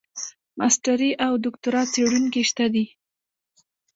ماسټري او دوکتورا څېړونکي شته دي.